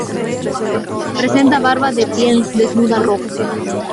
Presenta barba de piel desnuda roja.